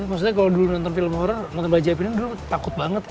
maksudnya kalo dulu nonton film horror nonton bayi ajaib ini dulu takut banget